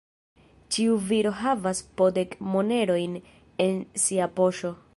Ĉiu viro havas po dek monerojn en sia poŝo.